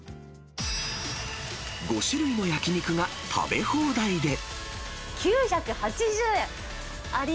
５種類の焼き肉が食べ放題で。